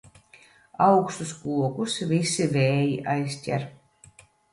Augstus kokus visi vēji aizķer.